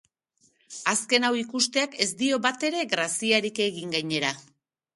Azken hau ikusteak ez dio batere graziarik egin, gainera.